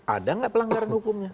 ada nggak pelanggaran hukumnya